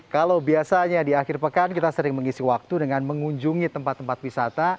kalau biasanya di akhir pekan kita sering mengisi waktu dengan mengunjungi tempat tempat wisata